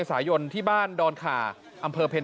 สวยสวยสวยสวยสวยสวยสวย